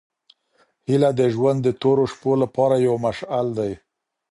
هیله د ژوند د تورو شپو لپاره یو مشعل دی.